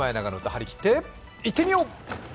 張り切っていってみよう！